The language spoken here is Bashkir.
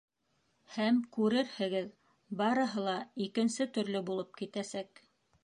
Һәм күрерһегеҙ: барыһы ла икенсе төрлө булып китәсәк...